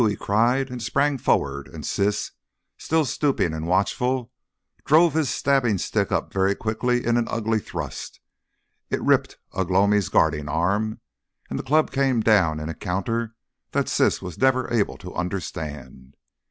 "Wau!" he cried, and sprang forward, and Siss, still stooping and watchful, drove his stabbing stick up very quickly in an ugly thrust. It ripped Ugh lomi's guarding arm and the club came down in a counter that Siss was never to understand.